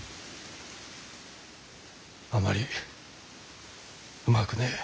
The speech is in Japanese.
あまりうまくねえ。